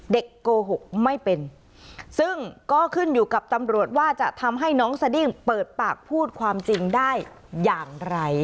โกหกไม่เป็นซึ่งก็ขึ้นอยู่กับตำรวจว่าจะทำให้น้องสดิ้งเปิดปากพูดความจริงได้อย่างไร